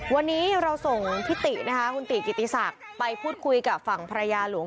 วันนี้เราส่งพิตินะคะคุณติกิติศักดิ์ไปพูดคุยกับฝั่งภรรยาหลวง